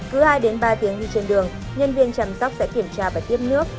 cứ hai ba tiếng đi trên đường nhân viên chăm sóc sẽ kiểm tra và tiếp nước